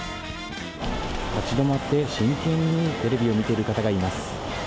立ち止まって真剣にテレビを見ている方がいます。